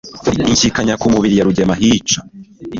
Inshyikanya ku mubiri ya Rugema ahica